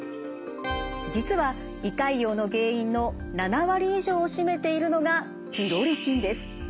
実は胃潰瘍の原因の７割以上を占めているのがピロリ菌です。